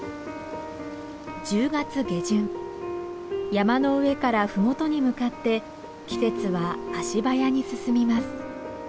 山の上から麓に向かって季節は足早に進みます。